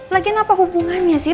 lagian apa hubungannya sih